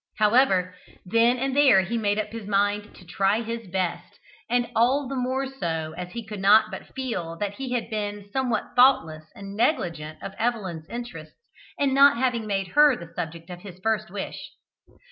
However, then and there he made up his mind to try his best, and all the more so as he could not but feel that he had been somewhat thoughtless and negligent of Evelyn's interests in not having made her the subject of his first wish.